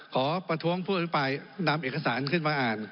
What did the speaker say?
ขอประท้วงผู้อภิปรายนำเอกสารขึ้นมาอ่าน